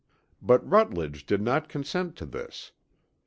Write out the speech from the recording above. But Rutledge did not consent to this.